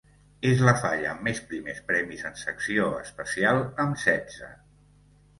És la falla amb més primers premis en secció especial, amb setze.